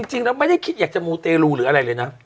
จริงเราไม่ได้คิดว่าอยากจะมูเตรียมผลหรืออะไรเลยนะ